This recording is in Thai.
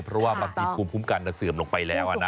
ความผิดภูมิภูมิการจะเสื่อมลงไปแล้วนะ